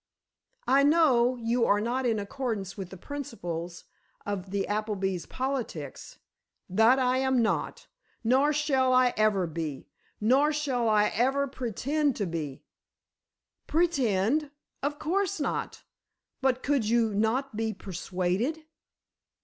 "I know you are not in accordance with the principles of the Appleby politics——" "That I am not! Nor shall I ever be. Nor shall I ever pretend to be——" "Pretend? Of course not. But could you not be persuaded?"